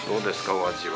お味は。